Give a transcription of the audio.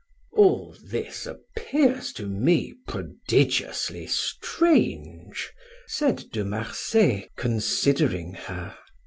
"All this appears to me prodigiously strange," said De Marsay, considering her.